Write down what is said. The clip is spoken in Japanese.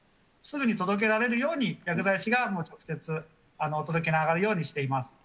すぐに届けられるように、薬剤師が直接、お届けにあがるようにしています。